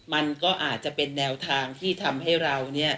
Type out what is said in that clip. มันก็อาจจะเป็นแนวทางที่ทำให้เรา